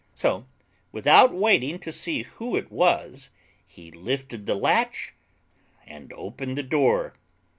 So without waiting to see who it was, he lifted the latch and opened the door.